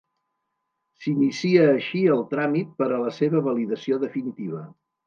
S'inicia així el tràmit per a la seva validació definitiva.